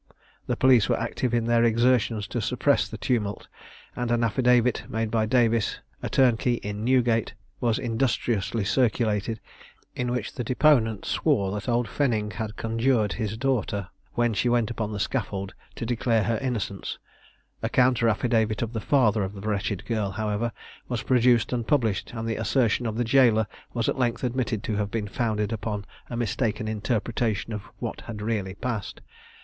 The police were active in their exertions to suppress the tumult; and an affidavit made by Davis, a turnkey in Newgate, was industriously circulated, in which the deponent swore that old Fenning had conjured his daughter, when she went upon the scaffold, to declare her innocence: a counter affidavit of the father of the wretched girl, however, was produced and published, and the assertion of the jailer was at length admitted to have been founded upon a mistaken interpretation of what had really passed.